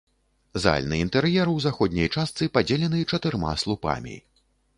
Зальны інтэр'ер у заходняй частцы падзелены чатырма слупамі.